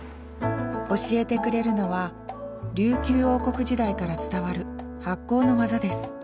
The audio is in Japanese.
教えてくれるのは琉球王国時代から伝わる発酵の技です。